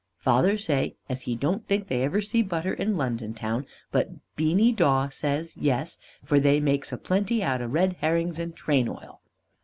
Father say as he don't think they ever see butter in London town, but Beany Dawe says yes for they makes a plenty out of red herrings and train oil.